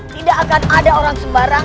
tidak akan ada orang sembarang